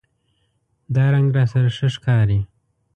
دا رنګ راسره ښه ښکاری